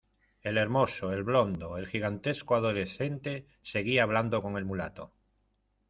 el hermoso, el blondo , el gigantesco adolescente , seguía hablando con el mulato